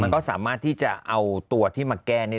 ก็สามารถที่จะเอาตัวที่มาแก้ได้